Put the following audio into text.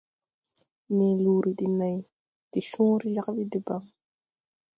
Ne luuri de nãy de cõõre jag ɓi debaŋ.